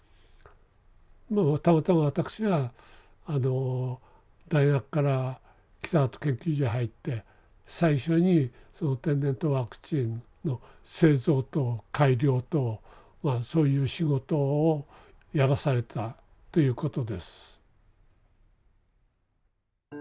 まあたまたま私があの大学から北里研究所へ入って最初にその天然痘ワクチンの製造と改良とまあそういう仕事をやらされたということです。